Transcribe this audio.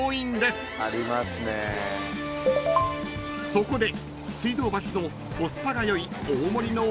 ［そこで］